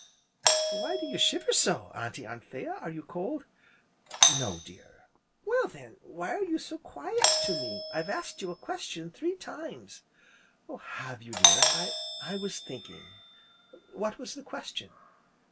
"Why do you shiver so, Auntie Anthea, are you cold?" "No, dear." "Well, then, why are you so quiet to me, I've asked you a question three times." "Have you dear? I I was thinking; what was the question?"